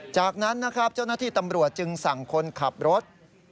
จากนั้นนะครับเจ้าหน้าที่ตำรวจจึงสั่งคนขับรถ